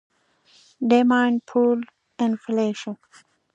Demand pull Inflation